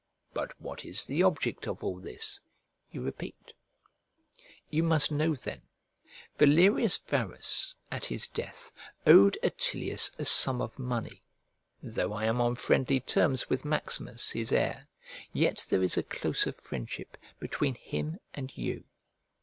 "But what is the object of all this?" you repeat. You must know then, Valerius Varus, at his death, owed Attilius a sum of money. Though I am on friendly terms with Maximus, his heir, yet there is a closer friendship between him and you.